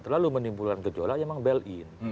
terlalu menimbulkan gejolak memang bil in